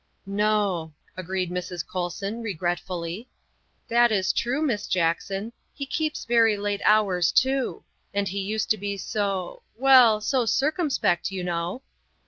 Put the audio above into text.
" No," agreed Mrs. Colson regretfully, " that is true, Miss Jackson. He keeps very late hours too. And he used to be so well, so circumspect, you know."